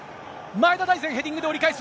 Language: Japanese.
前田大然、ヘディングで折り返す。